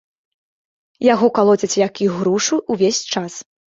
Яго калоцяць як ігрушу ўвесь час.